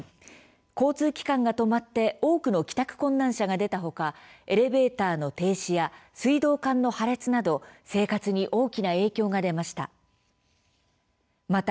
交通機関が止まって多くの帰宅困難者が出たほかエレベーターの停止や水道管の破裂など生活に大きな影響が出ました。